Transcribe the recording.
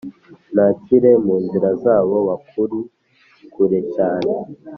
Nakire mu nzira zabo, Bakuri kure cyane.